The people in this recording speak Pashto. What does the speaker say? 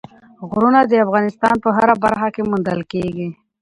غرونه د افغانستان په هره برخه کې موندل کېږي.